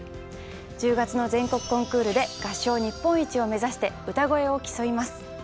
１０月の全国コンクールで合唱日本一をめざして歌声を競います。